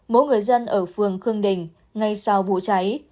mỗi người dân ở phường khương đình ngay sau vụ cháy